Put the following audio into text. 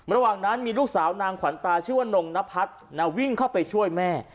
ระหว่างนั้นมีลูกสาวนางขวัญตาชื่อว่านงนพัฒน์วิ่งเข้าไปช่วยแม่